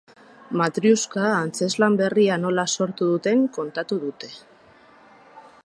Matriuska antzezlan berria nola sortu duten kontatu dute.